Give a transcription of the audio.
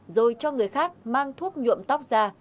rồi cho người khác mang thuốc nhuộm tóc ra